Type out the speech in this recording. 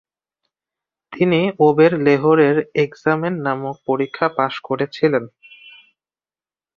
তিনি ওবেরলেহরেরএক্সামেন নামক পরীক্ষা পাস করেছিলেন।